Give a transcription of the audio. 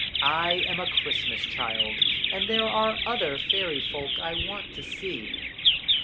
I am a Christmas Child, and there are other Fairy Folk I want to see."